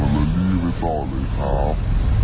เมื่อเวลีย์ไปต่อเลยครับ